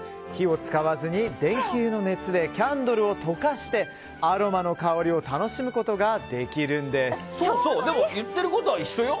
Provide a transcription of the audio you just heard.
火を使わずに電球の熱でキャンドルを溶かしてアロマの香りを楽しむことができるんです。